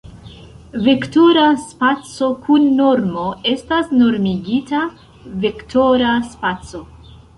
Vektora spaco kun normo estas normigita vektora spaco.